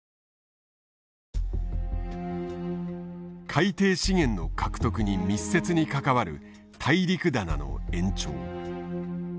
海底資源の獲得に密接に関わる大陸棚の延長。